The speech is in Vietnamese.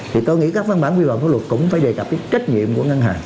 thì tôi nghĩ các văn bản quy định thuật luật cũng phải đề cập trách nhiệm của ngân hàng